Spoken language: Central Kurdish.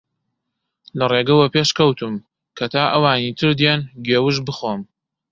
لە ڕێگە وەپێش کەوتم کە تا ئەوانی تر دێن گێوژ بخۆم